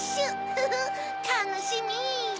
フフったのしみ！